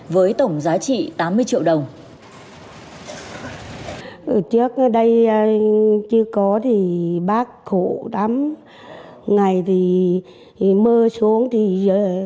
với tổng giá trị tám mươi triệu đồng